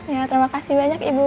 ya terima kasih banyak ibu